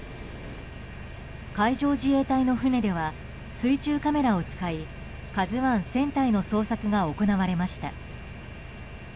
海上自衛隊の船では水中カメラを使い「ＫＡＺＵ１」船体の捜索が行われました。